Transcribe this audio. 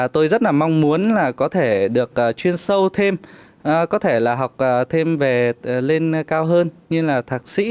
tôi rất mong muốn có thể được chuyên sâu thêm có thể học thêm về lên cao hơn như thạc sĩ